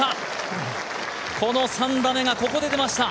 この３打目がここで出ました